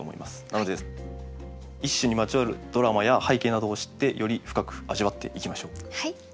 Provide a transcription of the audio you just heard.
なので一首にまつわるドラマや背景などを知ってより深く味わっていきましょう。